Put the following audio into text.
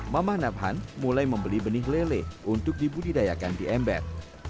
mamah nabhan mulai membeli benih lele untuk dibudidayakan di ember